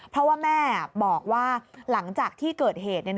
เพราะว่าแม่บอกว่าหลังจากที่เกิดเหตุ